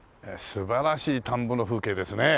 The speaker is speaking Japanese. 素晴らしい田んぼの風景ですね。